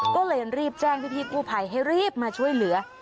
ก็เลยรีบแจ้งพี่กู้ภัยให้รีบมาช่วยเหลือ